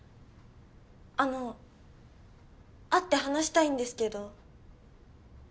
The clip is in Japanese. あの会って話したいんですけど。